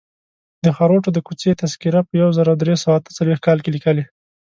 د خروټو د کوڅې تذکره په یو زر درې سوه اته څلویښت کال لیکلې.